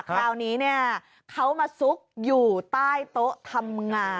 คราวนี้เนี่ยเขามาซุกอยู่ใต้โต๊ะทำงาน